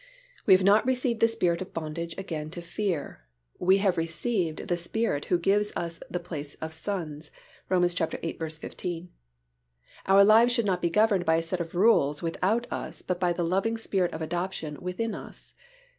"We have not received the spirit of bondage again to fear," we have received the Spirit who gives us the place of sons (Rom. viii. 15). Our lives should not be governed by a set of rules without us but by the loving Spirit of Adoption within us.